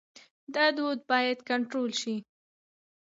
دا دود باید کنټرول شي.